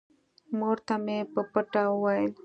مور ته مې په پټه وويل.